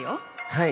はい。